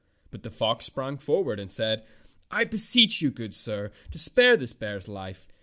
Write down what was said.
But the fox sprang forward and said : "I beseech you, good sir, to spare this bear's life.